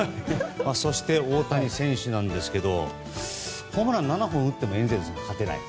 そして大谷選手なんですがホームラン７本打ってもエンゼルスは勝てない。